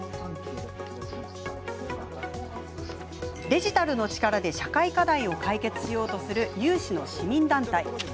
デジタルの力で社会課題を解決しようとする有志の市民団体です。